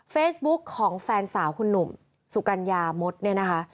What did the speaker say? เฟซบุ๊กของแฟนสาวคุณหนุ่มสุกัญญามดเนี่ยนะคะ